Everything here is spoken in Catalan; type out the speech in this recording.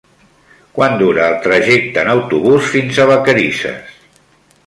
Quant dura el trajecte en autobús fins a Vacarisses?